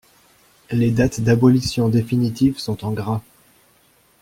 Les dates d'abolition définitives sont en gras.